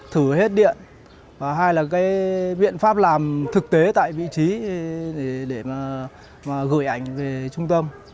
thử hết điện hai là cái biện pháp làm thực tế tại vị trí để mà gửi ảnh về trung tâm